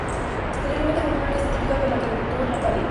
Posteriormente formó una orquesta típica con la que debutó en la radio.